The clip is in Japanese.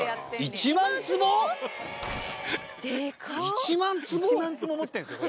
１万坪持ってんすよ